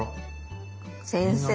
先生